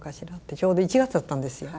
ちょうど１月だったんですよ。